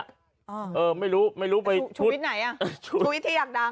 คืออยากเจอชูวิต